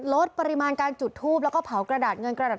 ลดปริมาณการจุดทูปแล้วก็เผากระดาษเงินกระดาษ